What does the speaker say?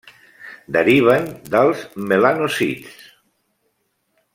Deriven dels melanòcits.